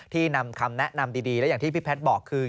นำคำแนะนำดีและอย่างที่พี่แพทย์บอกคือ